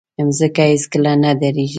مځکه هیڅکله نه دریږي.